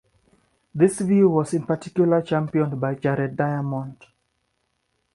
This view was in particular championed by Jared Diamond.